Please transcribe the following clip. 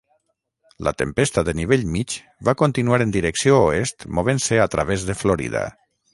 La tempesta de nivell mig va continuar en direcció oest movent-se a través de Florida.